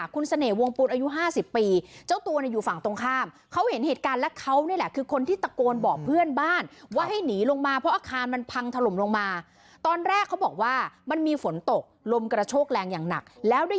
กุพ่อภาพใช่ไหมคะใช่ครับแล้วพอพังมันลงมา